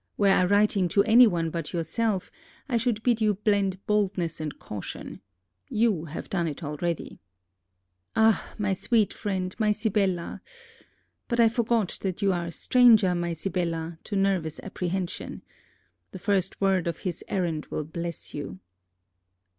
Were I writing to any one but yourself I should bid you blend boldness and caution. You have done it already. Ah, my sweet friend, my Sibella! but I forgot that you are a stranger, my Sibella, to nervous apprehension. The first word of his errand will bless you!